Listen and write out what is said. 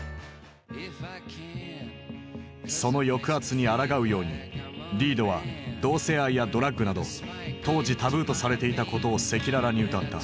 その抑圧にあらがうようにリードは同性愛やドラッグなど当時タブーとされていたことを赤裸々に歌った。